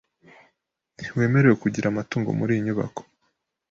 Ntiwemerewe kugira amatungo muriyi nyubako .